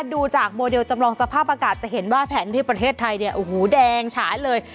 ดูจากโมเดลจำลองสภาพอากาศจะเห็นว่าแผนที่ประเทศไทยเนี่ยโอ้โหแดงฉายเลย